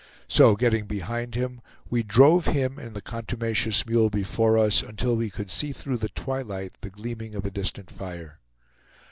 So getting behind him, we drove him and the contumacious mule before us, until we could see through the twilight the gleaming of a distant fire.